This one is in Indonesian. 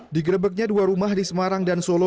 digrebeknya dua rumah di semarang dan solo